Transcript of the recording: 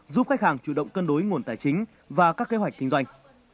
giúp khách hàng chủ động cân đối nguồn tài chính và các kế hoạch kinh doanh